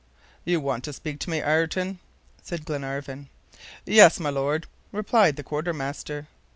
"You wanted to speak to me, Ayrton?" said Glenarvan. "Yes, my Lord," replied the quartermaster.